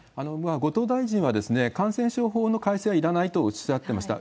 後藤大臣は感染症法の改正はいらないとおっしゃっていました。